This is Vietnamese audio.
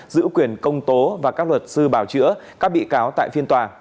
giữ quyền công tố và các luật sư bảo chữa các bị cáo tại phiên tòa